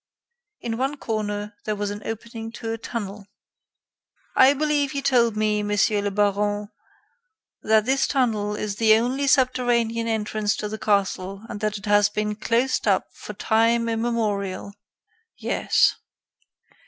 In one corner, there was an opening to a tunnel. "I believe you told me, Monsieur le Baron, that this tunnel is the only subterranean entrance to the castle and that it has been closed up for time immemorial?" "Yes."